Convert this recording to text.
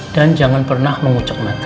dan jangan pernah mengucuk mata